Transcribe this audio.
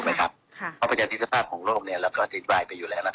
เอาไปจากอิริยภาพของโรคเราก็อธิบายไปอยู่แล้ว